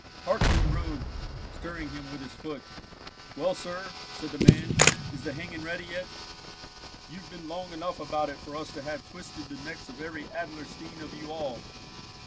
Hark thee, rogue!" stirring him with his foot. "Well, sir," said the man, "is the hanging ready yet? You've been long enough about it for us to have twisted the necks of every Adlerstein of you all."